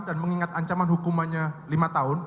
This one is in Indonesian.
dan mengingat ancaman hukumannya lima tahun